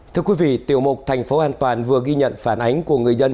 thưa quý vị tiểu mục thành phố an toàn vừa ghi nhận phản ánh của người dân